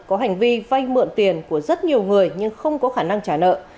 có hành vi vay mượn tiền của rất nhiều người nhưng không có khả năng trả nợ